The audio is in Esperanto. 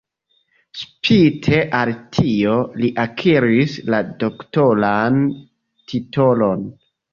Spite al tio, li akiris la doktoran titolon.